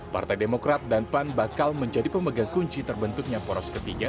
partai demokrat dan pan bakal menjadi pemegang kunci terbentuknya poros ketiga